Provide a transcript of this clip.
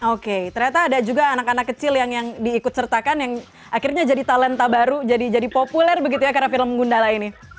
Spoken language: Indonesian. oke ternyata ada juga anak anak kecil yang diikut sertakan yang akhirnya jadi talenta baru jadi populer begitu ya karena film gundala ini